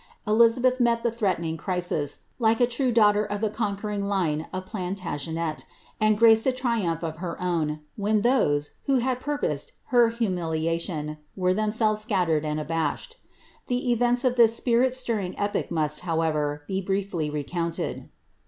Eliza beth met the threatening crisis, like a true daughter of the conquering line of Plantagenet, and graced a triumph of her own, when those, who had purposed her humiliation, were themselves scattered and abashed. The events of this spirit stirring epoch must, however, be briefly re* coonted.